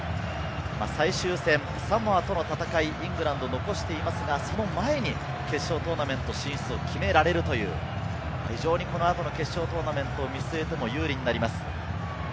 最終戦、サモアとの戦い、イングランドは残していますが、その前に決勝トーナメント進出を決められるという非常に、この後の決勝トーナメントを見据えても有利になります。